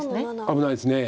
危ないです。